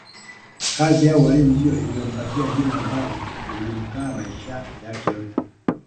Kazi ya ualimu ndiyo iliyompatia jina ambalo lilimkaa maisha yake yote